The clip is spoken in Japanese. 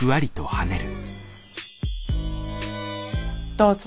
どうぞ。